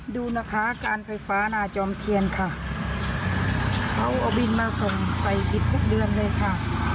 ดูนะคะการไฟฟ้านาจอมเทียนค่ะเขาเอาบินมาส่งใส่ติดทุกเดือนเลยค่ะ